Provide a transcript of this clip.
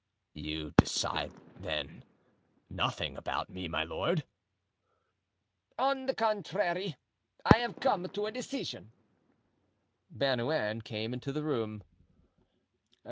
"You decide, then, nothing about me, my lord?" "On the contrary, I have come to a decision." Bernouin came into the room.